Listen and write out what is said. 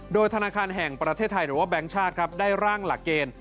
โดยธนาคารแห่งประเทศไทยหรือว่าแบงค์ชาติครับได้ร่างหลักเกณฑ์